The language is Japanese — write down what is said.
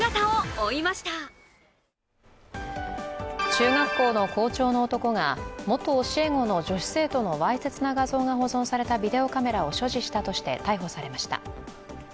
中学校の校長の男が元教え子の女子生徒のわいせつな画像が保存されたビデオカメラを所持したとして逮捕されました。